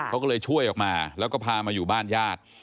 เขาก็เลยช่วยออกมาแล้วก็พามาอยู่บ้านญาติ